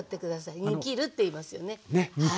ねっ煮きるっていいますよね。